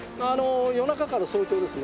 夜中から早朝ですね。